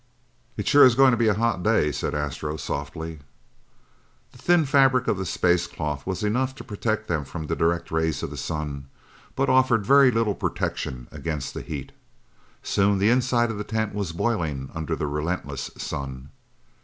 "It sure is going to be a hot day," said Astro softly. The thin fabric of the space cloth was enough to protect them from the direct rays of the sun, but offered very little protection against the heat. Soon the inside of the tent was boiling under the relentless sun.